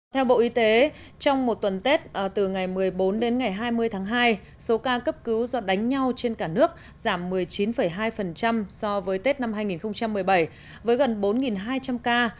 theo bộ y tế trong một tuần tết từ ngày một mươi bốn đến ngày hai mươi tháng hai số ca cấp cứu do đánh nhau trên cả nước giảm một mươi chín hai so với tết năm hai nghìn một mươi bảy với gần bốn hai trăm linh ca